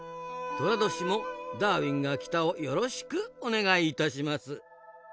寅年も「ダーウィンが来た！」をよろしくお願いいたします。